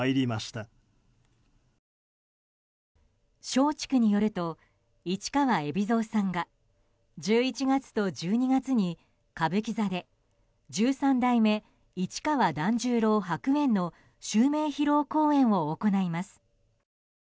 松竹によると市川海老蔵さんが１１月と１２月に歌舞伎座で十三代目市川團十郎白猿の襲名披露公演を行います。